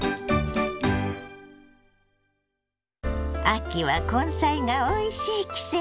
秋は根菜がおいしい季節。